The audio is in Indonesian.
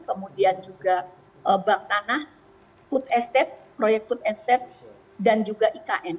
kemudian juga bank tanah food estate proyek food estate dan juga ikn